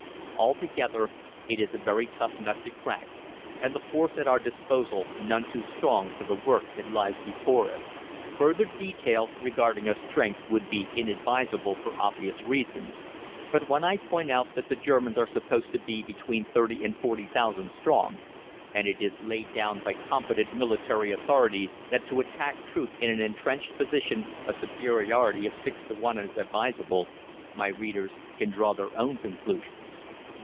Altogether, it is a very tough nut to crack, and the force at our disposal none too strong for the work that lies before it. "Further detail regarding our strength would be inadvisable for obvious reasons, but when I point out that the Germans are supposed to be between thirty and forty thousand strong, and that it is laid down by competent military authorities that to attack troops in an entrenched position a superiority of six to one is advisable, my readers can draw their own conclusions.